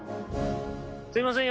すいません